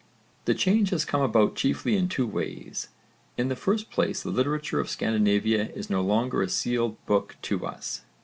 The change has come about chiefly in two ways. In the first place the literature of Scandinavia is no longer a sealed book to us.